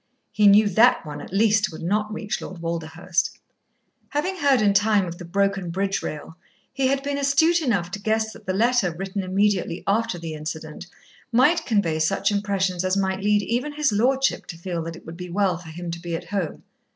He knew that one, at least, would not reach Lord Walderhurst. Having heard in time of the broken bridge rail, he had been astute enough to guess that the letter written immediately after the incident might convey such impressions as might lead even his lordship to feel that it would be well for him to be at home.